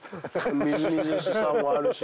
みずみずしさもあるし。